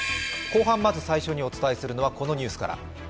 後半まず最初にお伝えするのはこのニュースから。